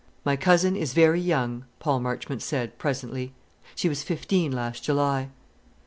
"My cousin is very young," Paul Marchmont said, presently. "She was fifteen last July."